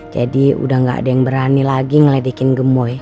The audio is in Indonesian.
jadi udah gak ada yang berani lagi ngeledekin gemoy